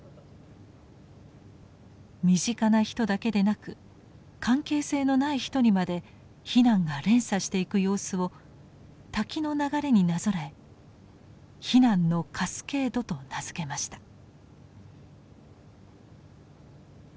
身近な人だけでなく関係性のない人にまで避難が連鎖していく様子を滝の流れになぞらえ避難のカスケードと名付けました。